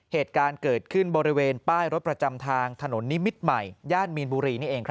เหตุการณ์เกิดขึ้นบริเวณป้ายรถประจำทางถนนนิมิตรใหม่ย่านมีนบุรีนี่เอง